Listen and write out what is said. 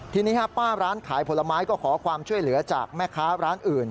ทีนี้ป้าร้านขายผลไม้ก็ขอความช่วยเหลือจากแม่ค้าร้านอื่น